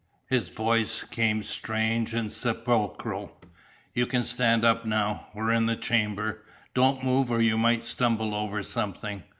His voice came strange and sepulchral: "You can stand up now. We're in the chamber. Don't move or you might stumble over something.